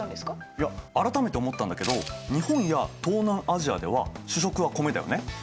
いや改めて思ったんだけど日本や東南アジアでは主食は米だよね。